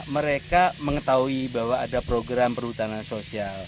mereka mengetahui bahwa ada program perhutanan sosial